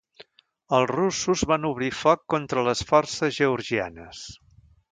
Els russos van obrir foc contra les forces georgianes.